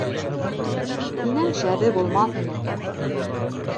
Һинән шәбе булмаҫ ине...